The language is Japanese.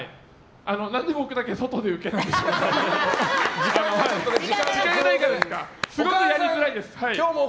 なんで僕だけ外で受けなんでしょうか。